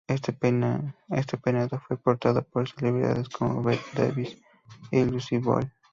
Este peinado fue portado por celebridades como Bette Davis y Lucille Ball.